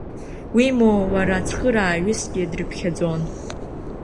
Уи моу лара цхырааҩысгьы дрыԥхьаӡон.